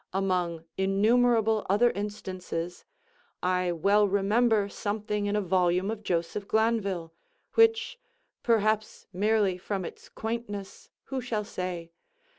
Among innumerable other instances, I well remember something in a volume of Joseph Glanvill, which (perhaps merely from its quaintness—who shall say?)